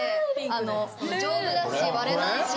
あの丈夫だし割れないし。